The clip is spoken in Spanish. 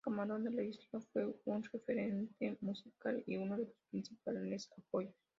Camarón de la Isla fue su referente musical y uno de sus principales apoyos.